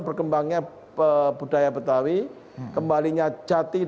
berkembangnya budaya betawi kembalinya